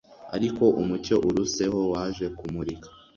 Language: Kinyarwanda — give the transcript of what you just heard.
Ariko umucyo uruseho waje kumurika